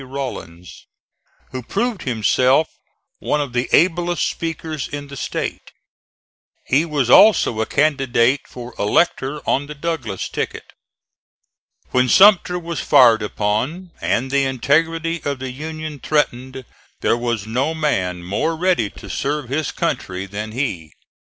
Rawlins, who proved himself one of the ablest speakers in the State. He was also a candidate for elector on the Douglas ticket. When Sumter was fired upon and the integrity of the Union threatened, there was no man more ready to serve his country than he.